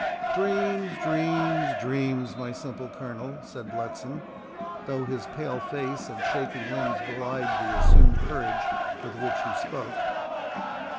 "Dreams, dreams, dreams, my simple Colonel," said Bletson, though, his pale face and shaking limbs belied the assumed courage with which he spoke.